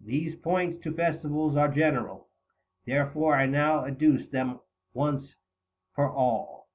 These points to Festivals are general Therefore I now adduce them once for all.